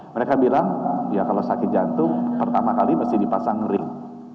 mereka bilang ya kalau sakit jantung pertama kali mesti dipasang ring